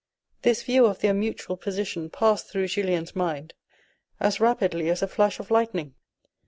This view of their mutual position passed through Julien's mind as rapidly as a flash of lightning.